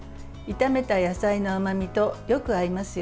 炒めた野菜の甘みとよく合いますよ。